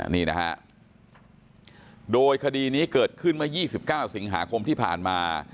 นี่นะฮะโดยคดีนี้เกิดขึ้นเมื่อ๒๙สิงหาคมที่ผ่านมา